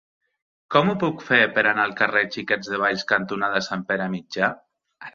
Com ho puc fer per anar al carrer Xiquets de Valls cantonada Sant Pere Mitjà?